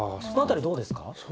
そのあたりどうですか？